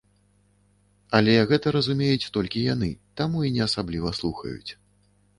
Але гэта разумеюць толькі яны, таму і не асабліва слухаюць.